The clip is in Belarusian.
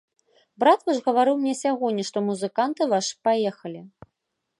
Брат ваш гаварыў мне сягоння, што музыканты вашы паехалі.